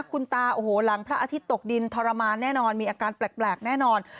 คุณตาโอ้โหหลังพระอาทิตย์ตกดินทรมานแน่นอนมีอาการแปลกแน่นอน